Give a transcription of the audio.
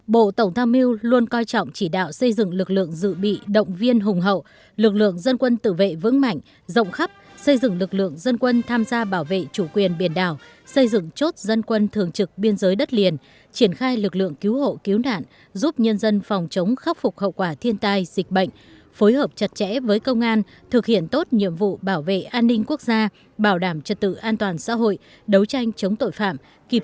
bộ tổng tham mưu luôn coi trọng chỉ đạo xây dựng lực lượng dự bị động viên hùng hậu lực lượng dân quân tử vệ vững mạnh rộng khắp xây dựng lực lượng dân quân tham gia bảo vệ chủ quyền biển đảo xây dựng chốt dân quân thường trực biên giới đất liền triển khai lực lượng cứu hộ cứu nạn giúp nhân dân phòng chống khắc phục hậu quả thiên tai dịch bệnh phối hợp chặt chẽ với công an thực hiện tốt nhiệm vụ bảo vệ an ninh quốc gia bảo đảm trật tự an toàn xã hội đấu tranh chống tội phạm